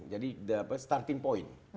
jadi starting point